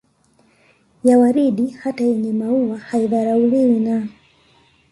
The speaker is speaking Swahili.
ya waridi hata yenye maua haidharauliwi na